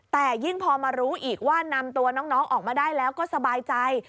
แต่ยิ่งพอมารู้อีกว่านำตัวน้องออกมาได้แล้วก็สบายใจ